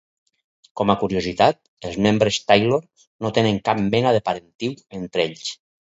Com a curiositat, els membres Taylor no tenen cap mena de parentiu entre ells.